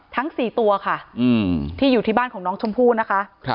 ทั้ง๔ตัวค่ะที่อยู่ที่บ้านของน้องชมพู่นะคะ